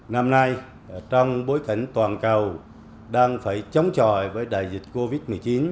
năm nay trong bối cảnh toàn cầu đang phải chống chọi với đại dịch covid một mươi chín